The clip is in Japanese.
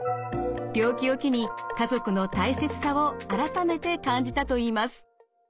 病気を機に家族の大切さを改めて感じたといいます。